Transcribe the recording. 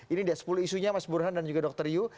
ini sepuluh isunya mas burhan dan juga dr yu